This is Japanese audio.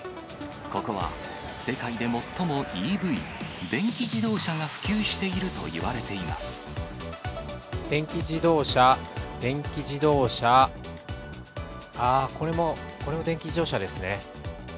ここは世界で最もＥＶ・電気自動車が普及していると言われていま電気自動車、電気自動車、あぁ、これも電気自動車ですね。